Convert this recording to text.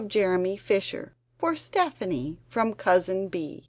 JEREMY FISHER [For Stephanie from Cousin B.